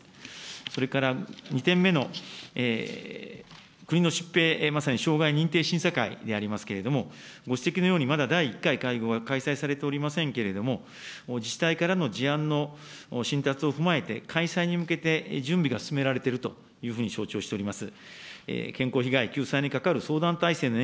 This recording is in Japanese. それから、２点目の国の疾病、まさに障害認定審査会でありますけれども、ご指摘のようにまだ第１回会合が開催されておりませんけれども、自治体からの事案の申達を踏まえて開催に向けて準備が進められているというふうに承知をしております。